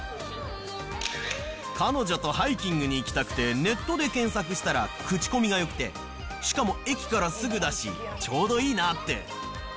彼女とハイキングに行きたくて、ネットで検索したら、口コミがよくて、しかも駅からすぐだし、ちょうどいいなって。